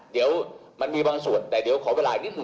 เดี๋ยวมันมีบางส่วนแต่เดี๋ยวขอเวลาอีกนิดนึ